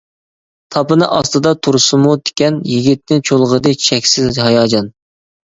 تاپىنى ئاستىدا تۇرسىمۇ تىكەن، يىگىتنى چۇلغىدى چەكسىز ھاياجان.